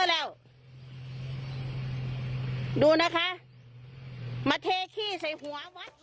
ดูแล้วดูนะคะมาเทขี้ใส่หัววัดเลย